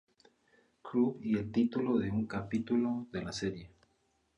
Club y el título de un capítulo de la serie.